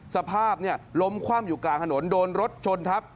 สภาพล้มคว่ำอยู่กลางถนนโดนรถชนทับ